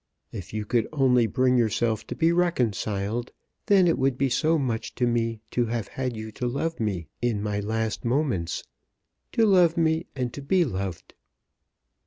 If you could only bring yourself to be reconciled, then it would be so much to me to have had you to love me in my last moments, to love me and to be loved."